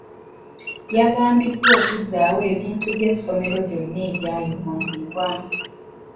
Yagambiddwa okuzaawo ebintu by'essomero byonna ebyayonoonebwa.